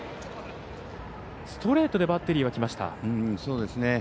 ストレートでバッテリーはきました。